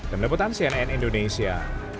demi deputan cnn indonesia